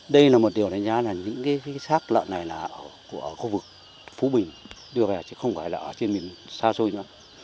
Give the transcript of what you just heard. đây là một điều đánh giá là những xác lợn này là ở khu vực phú bình đưa về chứ không phải là ở trên miền xa xôi nữa